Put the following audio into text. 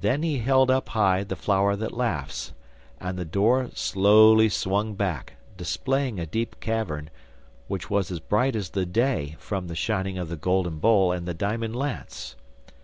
Then he held up high the flower that laughs, and the door slowly swung back, displaying a deep cavern, which was as bright as the day from the shining of the golden bowl and the diamond lance.